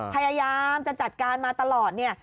พยายามจะจัดการมาตลอดเนี่ย